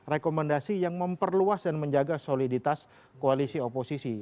rekomendasi yang memperluas dan menjaga soliditas koalisi oposisi